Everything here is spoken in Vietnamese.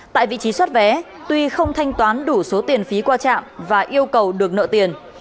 tại vị trí xuất vé tuy không thanh toán đủ số tiền phí qua trạm và yêu cầu được nợ tiền